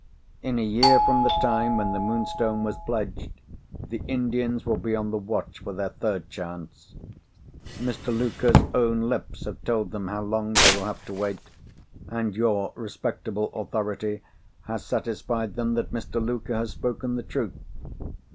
In a year from the time when the Moonstone was pledged, the Indians will be on the watch for their third chance. Mr. Luker's own lips have told them how long they will have to wait, and your respectable authority has satisfied them that Mr. Luker has spoken the truth.